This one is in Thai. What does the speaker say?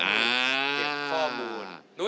เขียบควร